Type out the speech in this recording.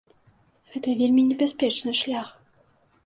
Гэта вельмі небяспечны шлях.